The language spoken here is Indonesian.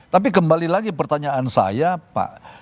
tapi kembali lagi pertanyaan saya pak